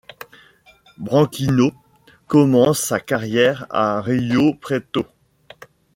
Branquinho commence sa carrière à Rio Preto.